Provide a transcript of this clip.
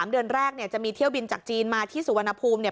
๓เดือนแรกจะมีเที่ยวบินจากจีนมาที่สุวรรณภูมิ